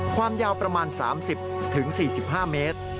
ความยาวประมาณ๓๐๔๕เมตร